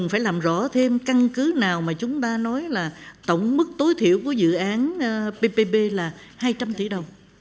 phải làm rõ thêm căn cứ nào mà chúng ta nói là tổng mức tối thiểu của dự án ppp là hai trăm linh tỷ đồng